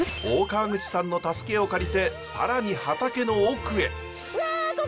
大川口さんの助けを借りて更に畑の奥へ。